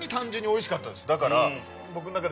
だから。